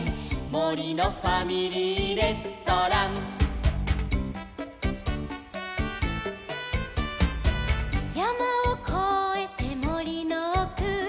「もりのファミリーレストラン」「やまをこえてもりのおく」